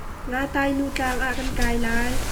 Ngaitainu tlang ah kan kai lai.